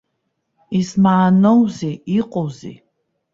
Измааноузеи, иҟоузеи?